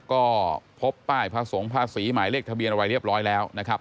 ก็พบป้ายพระสงฆ์พระศรีหมายเลขทะเบียนไว้เรียบร้อยแล้วนะครับ